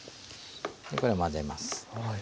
これを混ぜます。